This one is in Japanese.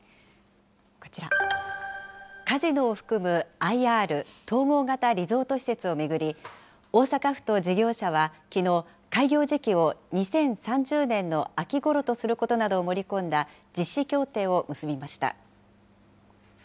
こちら、カジノを含むＩＲ・統合型リゾート施設を巡り、大阪府と事業者はきのう開業時期を２０３０年の秋ごろとすることなどを盛り込んだ実施協定を結びました。